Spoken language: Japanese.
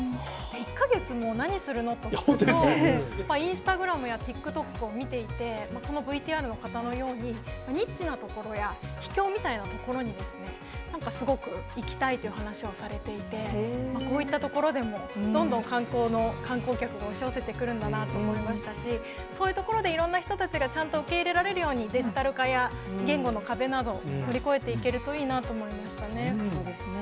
１か月も何するの？と聞くと、インスタグラムやＴｉｋＴｏｋを見ていて、このＶＴＲの方のように、ニッチな所や、秘境みたいな所になんかすごく行きたいという話をされていて、こういった所でも、どんどん観光の、観光客が押し寄せてくるんだなと思いましたし、そういう所でいろんな人たちがちゃんと受け入れられるように、デジタル化や言語の壁など、乗り越えていけるといいなと思いそうですね。